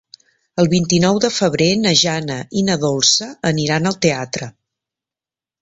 El vint-i-nou de febrer na Jana i na Dolça aniran al teatre.